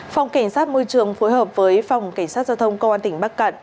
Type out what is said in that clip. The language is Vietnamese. phòng cảnh sát môi trường phối hợp với phòng cảnh sát giao thông công an tỉnh bắc cạn